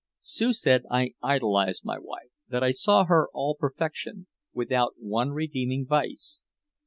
Sue said I idolized my wife, that I saw her all perfection, "without one redeeming vice."